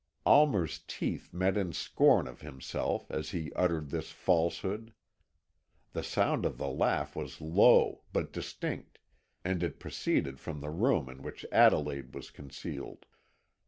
Almer's teeth met in scorn of himself as he uttered this falsehood. The sound of the laugh was low but distinct, and it proceeded from the room in which Adelaide was concealed.